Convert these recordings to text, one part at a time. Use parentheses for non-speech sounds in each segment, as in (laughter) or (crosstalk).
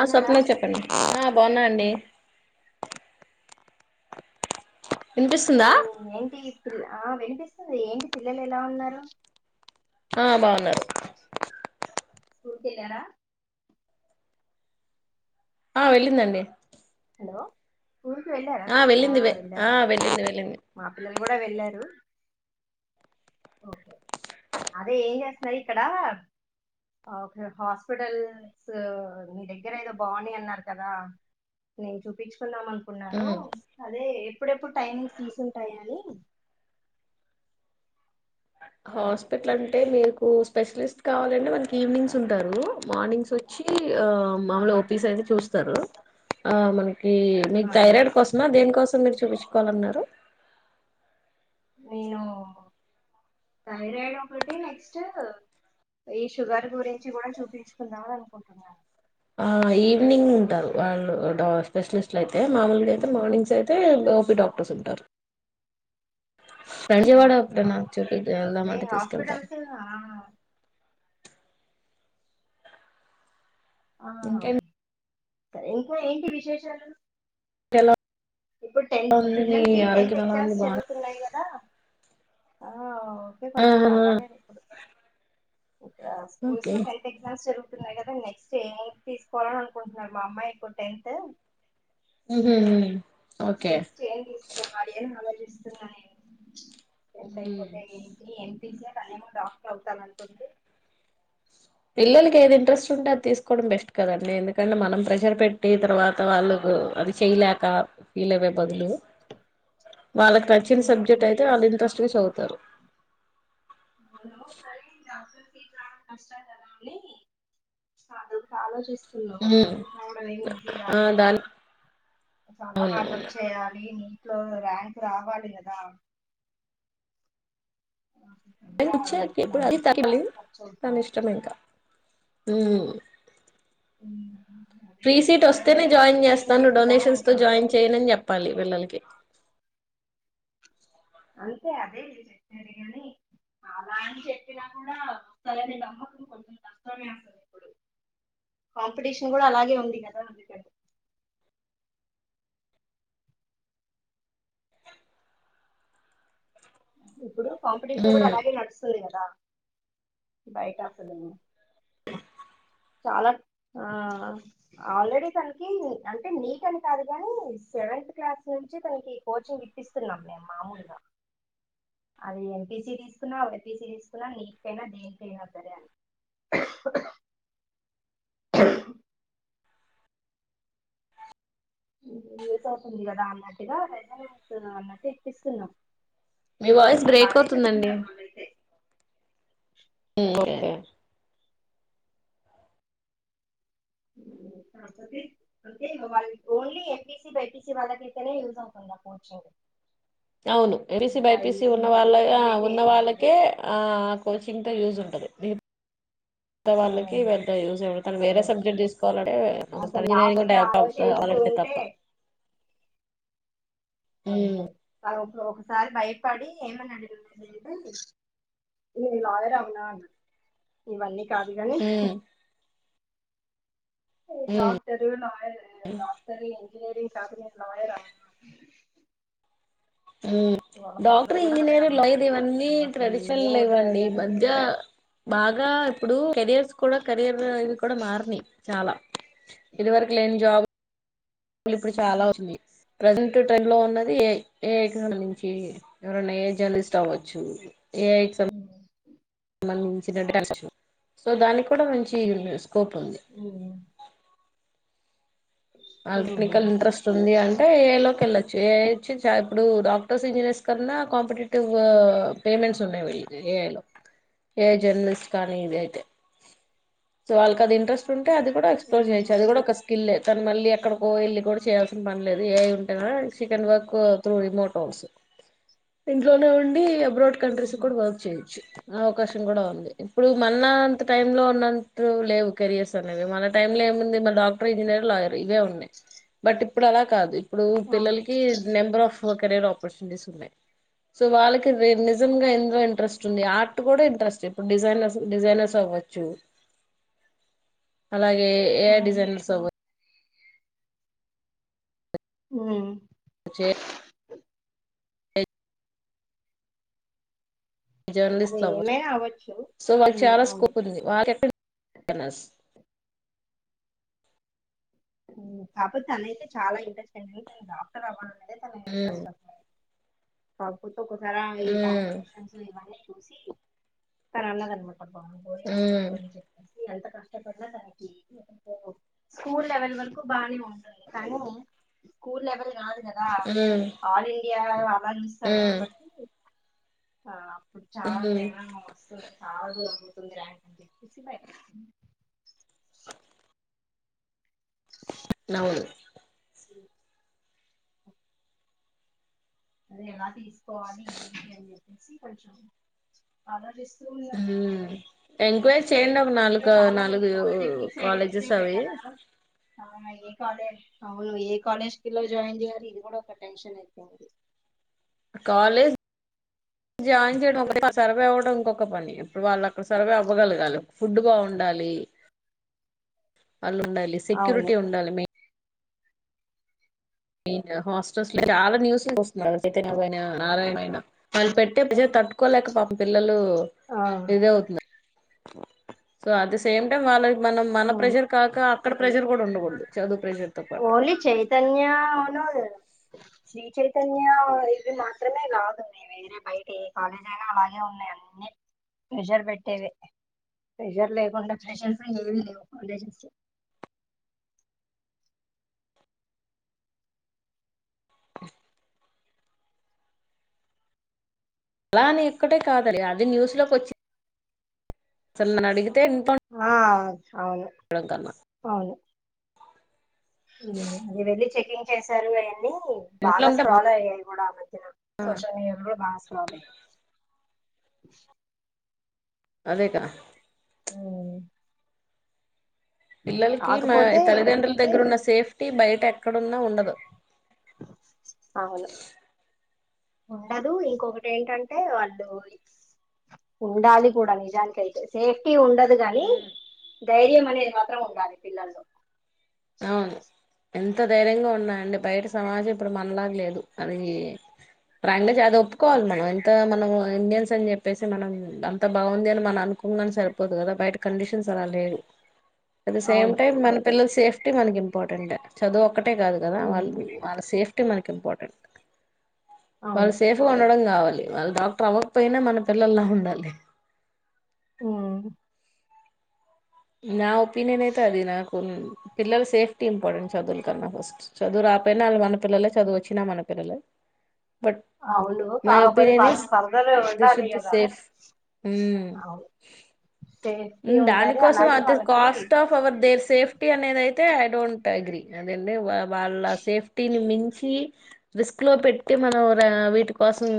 ఆ స్వప్న చెప్పండి వినిపిస్తుందా ఆ వినిపిస్తుంది ఏంటి పిల్లలు ఎలా ఉన్నారు ఆ బాగున్నారు స్కూల్ కెల్లారా ఆ వెళ్ళిందండి హలో స్కూల్కి వెళ్ళారా ఆ వెళ్ళింది వె ఆ వెళ్ళారా ఓకే వెళ్ళింది వెళ్ళింది మా పిల్లలు కూడా వెళ్ళారు అదే ఏం చేస్తున్నారు ఇక్కడ ఓకే హాస్పిటల్స్ మీ దగ్గర ఏదో బాగున్నాయ్ అన్నారు కదా నేను చూపించుకుందాం అనుకున్నా ఉమ్ అదే ఎప్పుడెప్పుడు టైమింగ్స్ తీసుంటాయ అని హాస్పిటల్ అంటే మీకు స్పెషలిస్ట్ కావాలంటే మనకి ఈవినింగ్స్ ఉంటారు మార్నింగ్స్ వచ్చి ఆ మామలు ఆహా ఆఫీసు అయితే చూస్తారు ఆ మనకి టి మీకు ఆహా థైరాయిడ్ కోసమా దేనికోసం మీరు చూపించుకోవాలన్నారు నేను థైరాయిడ్ ఒకటి నెక్స్ట్ ఈ షుగర్ గురించి కూడా చూపించుకుందాం అనుకుంటున్నాను ఆ ఈవినింగ్ ఉంటారు వాళ్ళు డా స్పెషలిస్ట్లు అయితే మామూలుగా అయితే మార్నింగ్స్ అయితే ఓపి డాక్టర్స్ ఉంటారు రంజవాడ ఓకే అప్పుడ నా చూపు అదే వెళ్దామంటే తీసుకెళ్తాం హాస్పిటల్స్ ఆ ఆ ఇంకేంటి సరే ఇంకా ఏంటి విశేషాలు ఎలా ఇప్పుడు టెన్త్ ఎలా ఉంది మీ పిల్లలకి టెన్త్ ఆరోగ్యం ఎలా ఉంది ఎగ్జామ్స్ బాగా జరుగుతున్నాయి కదా ఆ ఒకే కొంచెం ఆహా పర్వాలేను ఇప్పుడు ఇక్కడ స్కూల్స్ ఓకే లో టెన్త్ ఎగ్జాస్ జరుగు తున్నాయి కదా నెక్స్ట్ ఎయి తీసుకోవాలని అనుకుంటున్నారు మా అమ్మాయి ఇప్పుడు టెన్త్ ఉంహు మ్ చైన్ తీసుకోవాలి అని ఆలోచిస్తున్నా నేను మ్ స అనే ఏమో డాక్టర్ అవుతాను అంటుంది పిల్లకి ఏది ఇంట్రస్ట్ ఉంటే అది తీసుకోవడం బెస్ట్ కదండి ఎందుకు ఎందుకంటే మనం ప్రెషర్ పెట్టి తర్వాత వాళ్ళకు అది చెయలేక ఫీల్ అవ్వే బదులు వాళ్ళకి నచ్చిన ఉమ్, సబ్జెక్ట్ అయితే వాళ్ళు ఇంట్రెస్ట్గా చదువుతారు హలో కష్ట కదని ఆలోచిస్త ఆ కదా దాని చాలా హార్డ్ అవునవును వర్క్ చేయాలి న ఇట్లో ర్యాంక్ రావాలి కదా ఇంకా డబ్బులు కూడా బాగా ఖర్చు తన అవుతాయి ఇష్టమేయింకా హ్మ్మ్ ఉమ్, అదే ఫ్రీ సీట్ వస్తేనే మేమేమో జాయిన్ ఇంజనీరింగ్ చేస్తాను చేపిద్దాం డొనేషన్స్ తో జాయిన్ అనుకుంటున్నాం చేయనని చెప్పాలి పిల్లకి అంతే అదే చెప్పారు గాని అలా అని చెప్పినా కూడా వస్తందని దమ్మకుడు కొంచెం కష్టమే అస్తుంది ఇప్పుడు కాంపిటీషన్ కూడా అలాగే ఉంది కదా అందుకంటే ఇప్పుడు కాంపిటీషన్ కూడా ఉమ్, అలాగే నడుస్తుంది కదా బయట అసలు అలా ఆల్రెడీ తనకి అంటే నీట్ అని కాదు కానీ సెవెంతత్ క్లాస్ నుంచి తనకి కోచింగ్ ఇప్పిస్తున్నాం మేము మామూలుగా (inaudible) అది ఎంపీసీ తీసుకున్నా బైపీసీ తీసుకున్నా నీటికైనా దేనికైనా సరే అని (inaudible) (inaudible) ఏసేట్ అవుతుంది కదా అన్నట్టుగా రజ అన్నట్టు ఇప్పిస్తున్నాం మీ వాయిస్ బ్రేక్ బానే అవుతుందండి చెప్తున్నారు వాళ్ళైతే ఓకే (inaudible) తప్పది అంటే వాళ్ళ ఓన్లీ ఎంపీసి బైపీసి వాళ్ళక అయితేనే యూజ్ అవుతుందా కోచింగ్ అవును ఎంపీసి ఇంకా ఈ బైపీసి ఉన్న సిఈసీ వాళ్ళ వీటికైతే ఉన్న ఏమి ఉండదు వాళ్ళకే ఆ కోచింగ్తో యూజ్ ఉంటుంది (unintelligible) ఆ వాళ్ళకి పెద్ద యూజ్ తను వేరే అదే సబ్జెక్ట్ తీసువాలంటే అసలు లాస్ట్ కి ఇంనీరింగ్డవప్ ఆలోచిస్తూ ప్ప ఉంటే అంతే ఒకసారి భయపడి ఏమని అడిన్నా లేదు నేను లాయర్ అమ్న్నాన్నా ఇవన్నీ కాదు కాని ఉమ్ ఉమ్ డాక్టరు నా డాక్టర్ ఇంజనీరింగ్ కార్పనీ లయర్ ఆ ఆ డాక్టర్ కూడా అదే ఇంజనీర్ అన్నారు లాయర్ ఇవన్నీ నువ్వు అసలు ట్రెడిషనల్ ఏం వద్దులే లేవ్వండి గాని మధ్య బాగా ఇప్పుడు కెరిర్స్ కూడా కెరీర్ ఇవి కూడా మారినయి చాలా ఇదివరకు లేని జాబ్ ఇలు ఇప్పుడు చాలా ఉంది ప్రజెంట్ ట్రైండ్ లో ఉన్నది ఏ ఐ ను ఎవరన్నా ఏ జర్నలిస్ట్ అవ్వచ్చు ఏ బ సో దా కూడా మంచి స్కోప్ ఉంది ఆల్టెక్నికల్ ఇంట్రెస్ట్ ఉంది అంటే ఏ లోకి వెళ్ళొచ్చు చేయొచ్చు చా ఇప్పుడు డాక్టర్స్ ఇంజనీర్స్ కన్నా కాంపిటేటివ్ పేమెంట్స్ ఉన్నాయిళ్ళ ఏ జర్నలిస్ట్ కానీ ఇదియితే సో వాళ్ళకిది ఇంట్రెస్ట్ ఉ అ అది కూడా ఎక్స్ప్లోర్ చేయచ్చు అది కూడా ఒక స్కిల్ లేది మళ్ళీ ఎక్కడికో వెళ్ళి కూడా చేయాల్సిన పనిలేదు ఏ ఐ ఉంటే షీ కెన్ వర్క్ త్రూ రిమోటోల్స్ ఇంట్లోనే ఉండి అబ్రాడ్ కంట్రీస్ కూడా వర్క్ చేయొచ్చు అవకాశం కూడా ఉంది ఇప్పుడు మన అంత టై లో ఉన్నట్టు లేవు కెరియర్స్ అనేవి మన టై లో ఎమ్మెనుంది డాక్టర్ ఇంజనీయర్ లాయార్ ఇవే ఉన్నాయి బట్ ఇప్పుడు అలా కాదు ఇప్పుడు అవును పిల్లలకి నెంబర్ ఆఫ్ కారియర్ ఆపర్చునిటీస్ ఉన్నాయి సో వాళ్ళకి నిజం గా ఎందులో ఇంట్రెస్ట్ ఉంది. ఆర్ట్ కూడా ఇంట్రెస్ట్ ఇప్పుడు డిజైనర్ డిజైనర్స్ అవ వచ్చు అలాగే ఏ అవును. డిజైన్ర్స్ అవ మ్మ్ వచ్చే అది జర్నలిస్ట్లు అవ్వరు ఏమైనా అవ్వచ్చు సో వాకి ఉమ్, చాలా అవును స్కోప్ ఉంది వాళ ఎక్క ఎన్నస్ కాకపోతే తనయితే చాలా ఇంట్రెస్ట్ అయి తను డాక్టర్ అవ్వాలనేది తన ఇంట్రెస్ట్ అస్సలు ప్రప్పుుతో ఒకస ఈ ఉమ్ కాంపిటీషన్స్ ఇవన్నీ చూసి తను అన్నదనమా అబ్బా పోయేస్తు ఉమ్ అని చెప్పేసి ఎంత కష్టపడిన దానికి కూ స్కూల్ లెవెల్ వరకు బానే ఉంటుంది. కానీ స్కూల్ లెవెల్ కాదు కదా ఉమ్ ఆలీ ఇయలా ఏవో అమర్స్తారు ఉమ్ కాబట్టి ఆ చాలా ఉమ్ తేమమెమో వస్తుంది చాల దూరం ఉందర నవును అది ఎలా తీసుకోవాలి అని చెప్పేసి కొంచెం ఆలోచిస్ హమ్ ఎంక్వైరీ చేయండి ఒక ఇంకా నాలుగు చాలా మంది నాలుగు పాలిటెక్నిక్ కాలేజెస్ అవి అవునా ఏ కాలేజ్ అవును ఏ కాలేజ్ పిల్లలు జాయిన్ చేయ్యాలి ఇది కూడా ఒక టెన్షన్ అయితాంది. కాలేజ్ జాయిన్ చేయడం ఒకటే కాదు సర్వయ్ అవ్వడం. ఒక్క పని ఇప్పుడు వాళ్ళు అక్కడ సర్వయ్ అవ్వగలగాలి, ఫుడ్ బాగుండాలి. వాళ్ళు ఉండాలి. అవును సెక్యూరిటీ ఉండాలి మెయిన్ మెయిన్ హాస్టల్స్ చాలా న్యూస్లు వస్తున్నాయి. చైతన్యకు పోయిన, నారాయణ పోయిన వాళ్ళు పెట్టె విజేత తట్టుకోలేక పాపం పిల్లలు ఆ తో బిజీ అవుతున్నారు so at the same time వాళ్ళు మనం మన ప్రెజర్ కాక అక్కడ ప్రెషర్ కూడా ఉండకూడదు చదువు ప్రెషర్ తో పాటు ఓలీ చైతన్యనద్ లేదా శ్రీ చైతన్య ఇవి మాత్రమే లాదు ఉన్నాయి వేరే బయట ఎ కాలేజ్ అయినా అలాగే ఉన్నా అ ప్రెజర్ పెట్టేవె ప్రెజర్ లేకుండా ప్రెషర్స్ ఏమి లేవు కాలజెస్ అలా అనే ఇక్కడే కాదది అది న్యూస్ లోకి వచ్చి చల్లన అడిగి ఆ అవును కన్నా అవును ఉ అది వెళ్ళి చెకింగ్ చేసారు అయన్నీ హుమ్ ఇంట్లో బాగా ఉంటే స్క్రాల్ అయ్యాయి కూడా ఆమధ్యన సోషల్ మీడియాలో కూడా బాగా స్కృల్ అయ్యాయి. అదే గా అవును పిల్లలకి మా తల్లిదండ్రుల దగ్గరున్న సేఫ్టీ బయట ఎక్కడున్నా ఉండదు. అవును ఉండదు ఇంకొకటి ఏంటంటే వాళ్ళు ఉండాలి కూడా నిజానికి కయితే సేఫ్టీ ఉండ ద్దు గాని ధైర్యం అనేది మాత్రం ఉండాలి పిల్లల్లో అవును ఎంత ధైర్యంగా ఉన్నాండి బయట సమాజం ఇప్పుడు మనలాగ లేదు అది ట్రెండ్జ్ అది ఒప్పుకోవాలి మనం ఎంత మనం ఇండియన్స్ అని చెప్పేసి మనం అంత బావుంది అని మనం కుంగాని సరిపోదు కదా బయట కండిషన్స్ అలా లేవు. అట్ ద సేమ్ అవును టైమ్ మన పిల్లల సేఫ్టీ మనకి ఇంపార్టెంట్ చదువు ఒకటే కాదు కదా వాళ్ళు ఉమ్ వాళ్ళ సేఫ్టీ మనకి ఇంపార్టెంట్ అవును వాళ్ళు సేఫ్గా ఉండడం కావాలి వాళ్ళ డాక్టర్ అవ్వకపోయినా మన పిల్లల్లా ఉండాలి. ఆ నా ఒపినియన్ ఎయితే అది నా పిల్లల సేఫ్టీ ఇంపార్టెంట్ చదువులకన్నా ఫస్ట్ చదువు రాకపోయినా అల్లు మన పిల్లలే చదువు వచ్చినా మన పిల్లలే బట్ అవును మై కాకపోతే ఒపీనియన్ ఈస్ వాళ్ళకి ఫర్దర్ దే ఉండాలి షుడ్ బి కదా సేఫ్ హూ అవును సేఫ్టీ ఉండాలి దానికోసం అలాగే అది వాళ్ళకి cost of our their safety అనేది అయితే ఐ డోంట్ అగ్రి అదండి వాళ్ళ సేఫ్టీ మించి రిస్క్ లో పెట్టి మనం వీటి కోసం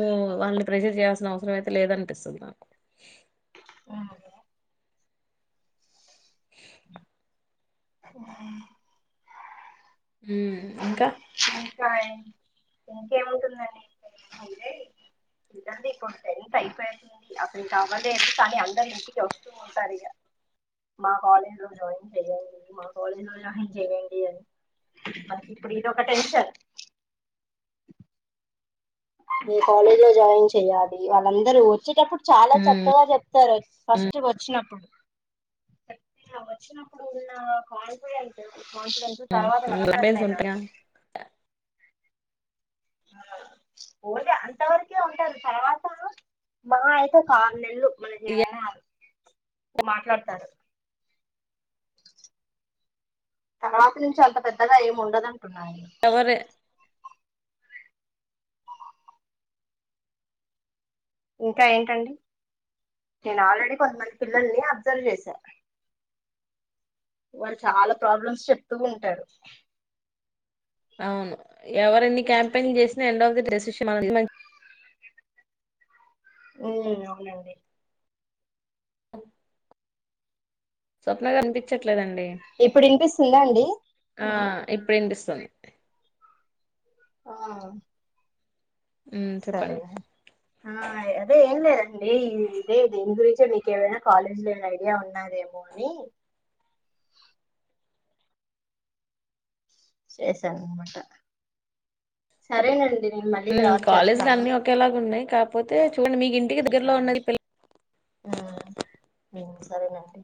వాళ్ళని ప్రెషర్ చేయాల్సిన అవసరం అయితే లేదనిపిస్తుంది నాకు అ ఓ హూ ఇంకా ఇంకా ఇంకేముంటుందండి ఇదండి ఇప్పుడు టెన్త్ అయిపోతుంది అతడి అసలుకి అవ్వలేదుకానీ అందరు ఇంటికి వస్తూ ఉంటారు ఇక మా కాలేజ్ లో జాయిన్ చెయడి మా కాలేజ్ లో జాయిన్ చేయండి అని మ ఇప్పుడు ఇదోక టెన్షన్ మీ కాలేజ్ లో జాయిన్ చెయాలి వాళ్ళందరూ వచ్చేటప్పుడు చాలా ఉమ్ చక్కగా చెప్తారు ఫస్ట్ వచ్చినప్పుడు అ వచ్చినప్పుడు ఉన్న కాన్ఫిడెంట్ (unintelligible) తర్వాత కనపడట్లేదు ఉంటాయా నాకు (unintelligible) ఓన్లీ అంత వరకే ఉంటారు తర్వాత మా అయితే ఒక ఆరు నెల్లు (unintelligible) మాట్లాడతారు తర్వాత నుంచి అంత పెద్దగా ఏము ఉండదంటున్నా నేను ఎవరు ఇంకా ఏంటండి నేను ఆల్రెడీ కొంతమంది పిల్లల్ని అబ్జర్వ్ చేశా వాళు చాలా ప్రాబ్లమ్స్ చెప్తూ ఉంటారు అవును ఎవరన్ని క్యాంపెన్ చేసినా ఎండ్ ఆఫ్ ది డే డెస్ ఉ అవునండి స్వప్న కనిపించట్లే ఇప్పుడు వినిపిస్తుందా అండి ఆ ఇప్పుడు వినిపిస్తుంది ఆ ఉమ్ సరే చెప్పండి ఆ అదే ఎంలే అడి ఇదే దీని గురించే మీకు ఏమైనా కాలేజీ ల ఐడియా ఉన్నదేమో అని (unintelligible) చేసాను అనామాట సరేనండి నేను మళ్ళీ తర్వాత కాలేజీలు చేస్తాను అన్నీ ఒకేలాగా ఉన్నాయి కాకపోతే చూడండి మీకు ఇంటికి దగ్గరలో ఉన్నది పిల్ల ఊ సరేనండి